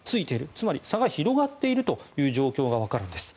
つまり差が広がっている状況がわかるんです。